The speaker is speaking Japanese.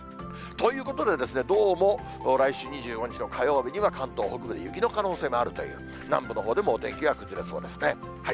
ということで、どうも来週２５日の火曜日には、関東北部に雪の可能性もあるという、南部のほうでもお天気が崩れそうですね。